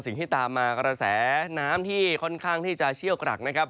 สิ่งที่ตามมากระแสน้ำที่ค่อนข้างที่จะเชี่ยวกรักนะครับ